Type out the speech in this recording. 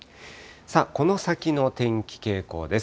この先の天気傾向です。